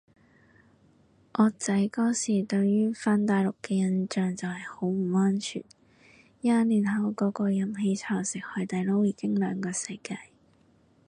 我仔嗰時對於返大陸嘅印象就係好唔安全，廿年後個個飲喜茶食海底撈已經兩個世界